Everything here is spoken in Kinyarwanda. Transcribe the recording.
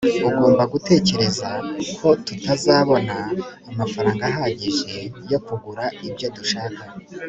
ugomba gutekereza ko tutazabona amafaranga ahagije yo kugura ibyo dushaka